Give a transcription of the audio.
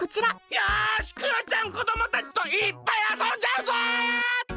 よしクヨちゃんこどもたちといっぱいあそんじゃうぞ！